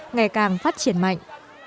ngày càng phát triển mạnh